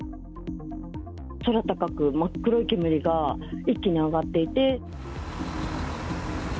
空高く、真っ黒い煙が一気に上がっていて。